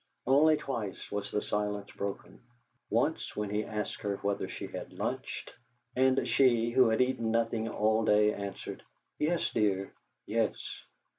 Only twice was the silence broken. Once when he asked her whether she had lunched, and she who had eaten nothing all day answered: "Yes, dear yes."